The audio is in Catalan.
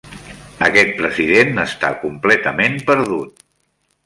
Aquest president està completament perdut.